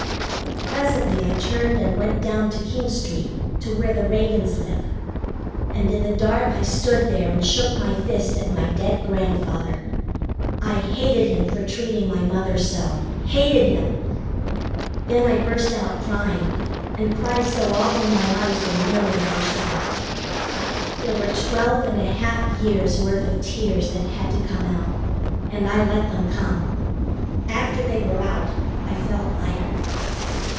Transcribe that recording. Presently I turned and went down to King Street, to where the Reagans live, and in the dark I stood there and shook my fist at my dead grandfather. I hated him for treating my mother so. Hated him! Then I burst out crying, and cried so awful my eyes were nearly washed out. There were twelve and a half years' worth of tears that had to come out, and I let them come. After they were out I felt lighter.